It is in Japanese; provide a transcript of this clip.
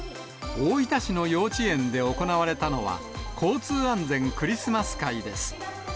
大分市の幼稚園で行われたのは、交通安全クリスマス会です。